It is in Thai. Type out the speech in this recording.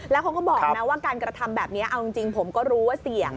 แล้วเขาก็บอกนะว่าการกระทำแบบนี้เอาจริงผมก็รู้ว่าเสี่ยง